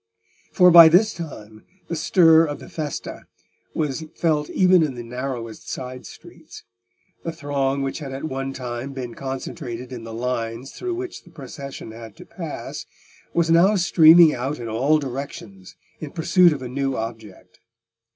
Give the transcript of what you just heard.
For by this time the stir of the Festa was felt even in the narrowest side streets; the throng which had at one time been concentrated in the lines through which the procession had to pass, was now streaming out in all directions in pursuit of a new object.